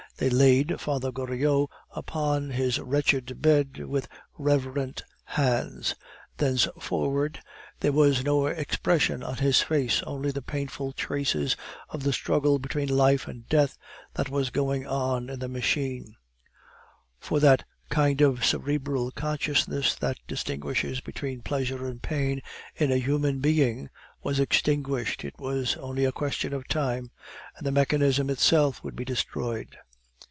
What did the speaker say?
They laid Father Goriot upon his wretched bed with reverent hands. Thenceforward there was no expression on his face, only the painful traces of the struggle between life and death that was going on in the machine; for that kind of cerebral consciousness that distinguishes between pleasure and pain in a human being was extinguished; it was only a question of time and the mechanism itself would be destroyed.